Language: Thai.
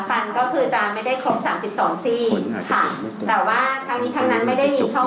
ฟันก็คือจะไม่ได้ครบ๓๒ซีแต่ว่าทั้งนี้ทั้งนั้นไม่ได้มีช่องโหว่ใดค่ะ